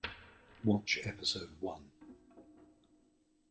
Watch episode one.